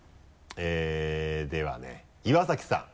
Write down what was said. ではね岩崎さん。